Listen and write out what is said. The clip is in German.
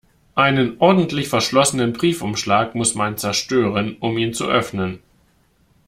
Einen ordentlich verschlossenen Briefumschlag muss man zerstören, um ihn zu öffnen.